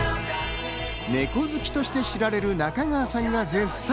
ネコ好きと知られる中川さんが絶賛。